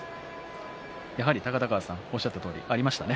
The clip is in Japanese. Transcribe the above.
やはり高田川さんがおっしゃったとおりにありましたね。